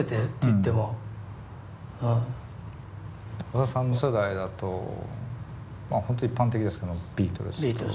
小田さんの世代だとまあ本当一般的ですけどビートルズと。